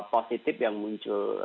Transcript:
positif yang muncul